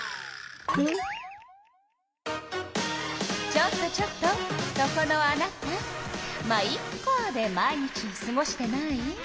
ちょっとちょっとそこのあなた「ま、イッカ」で毎日をすごしてない？